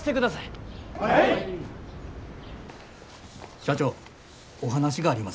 社長お話があります。